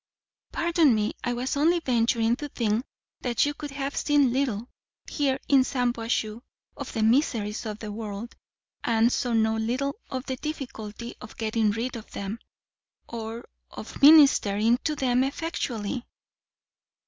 "Pardon me. I was only venturing to think that you could have seen little, here in Shampuashuh, of the miseries of the world, and so know little of the difficulty of getting rid of them, or of ministering to them effectually."